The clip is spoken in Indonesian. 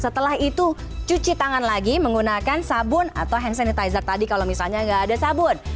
setelah itu cuci tangan lagi menggunakan sabun atau hand sanitizer tadi kalau misalnya nggak ada sabun